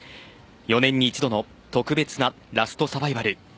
４年に１度の特別なラストサバイバル。